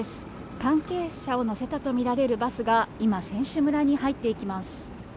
関係者を乗せたと見られるバスが今、選手村に入っていきます。